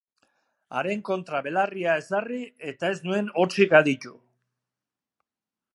Haren kontra belarria ezarri, eta ez nuen hotsik aditu.